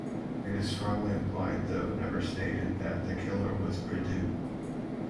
It is strongly implied, though never stated, that the killer was Prideaux.